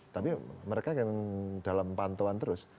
tapi mereka kan dalam pantauan terus